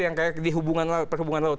yang kayak di perhubungan laut